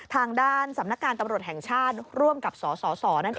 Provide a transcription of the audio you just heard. ทางด้านสำนักงานตำรวจแห่งชาติร่วมกับสสนั่นเอง